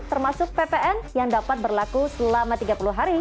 termasuk ppn yang dapat berlaku selama tiga puluh hari